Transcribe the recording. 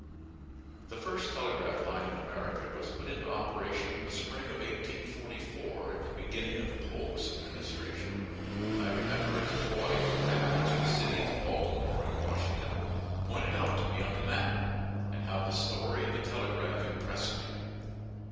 The first telegraph line in America was put into operation in the spring of 1844 at the beginning of Polk's administration. I remember as a boy having the two cities, Baltimore and Washington, pointed out to me on the map, and how the story of the telegraph impressed me.